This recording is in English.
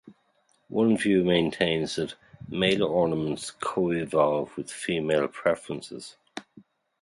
One view maintains that male ornaments co-evolve with female preferences.